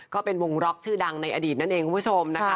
ก็เป็นวงล็อกชื่อดังในอดีตนั่นเองคุณผู้ชมนะคะ